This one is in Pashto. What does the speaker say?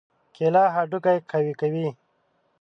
کېله هډوکي قوي کوي.